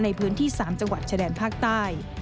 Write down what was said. ในพื้นที่๓จังหวัดชายแดนภาคใต้